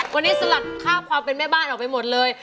วันนี้สลัดค่าความเป็นแม่บ้านออกไปหมดเลย